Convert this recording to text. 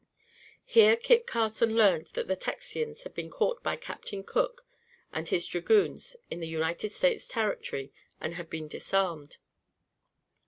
Here Kit Carson learned that the Texians had been caught by Captain Cook and his dragoons in United States Territory, and had been disarmed.